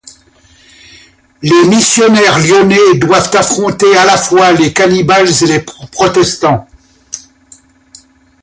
Les missionnaires lyonnais doivent affronter à la fois les cannibales et les protestants.